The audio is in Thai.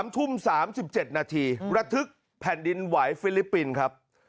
๓ทุ่ม๓๗นาทีระทึกแผ่นดินไหวฟิลิปปินส์ครับ